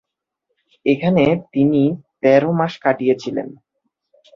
এখানে তিনি তের মাস কাটিয়েছিলেন।